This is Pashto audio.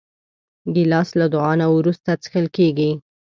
ګیلاس له دعا نه وروسته څښل کېږي.